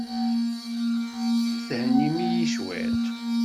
I thennim-iyi cwiṭ?